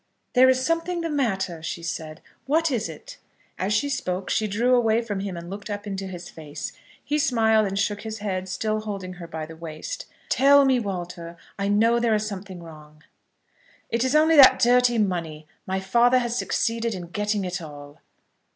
"There is something the matter!" she said. "What is it?" As she spoke she drew away from him and looked up into his face. He smiled and shook his head, still holding her by the waist. "Tell me, Walter; I know there is something wrong." "It is only that dirty money. My father has succeeded in getting it all."